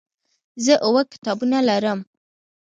زه اووه کتابونه لولم.